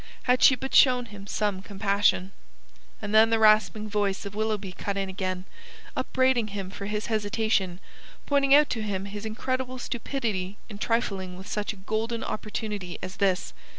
Had she but shown him some compassion.... And then the rasping voice of Willoughby cut in again, upbraiding him for his hesitation, pointing out to him his incredible stupidity in trifling with such a golden opportunity as this.